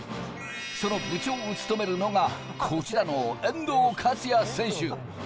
その部長を務めるのが、こちらの遠藤勝弥選手。